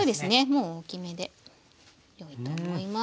もう大きめでよいと思います。